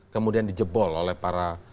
kemudian dijebol oleh para